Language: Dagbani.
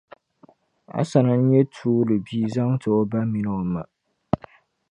Asana n-nyɛ tuuli bia zaŋ n-ti o ba mini ma.